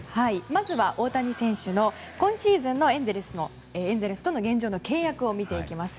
まずは大谷選手の今シーズンのエンゼルスとの現状の契約を見ていきます。